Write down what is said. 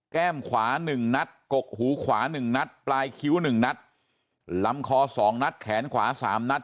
ขวา๑นัดกกหูขวา๑นัดปลายคิ้ว๑นัดลำคอ๒นัดแขนขวา๓นัด